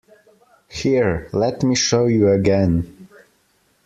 Here, let me show you again.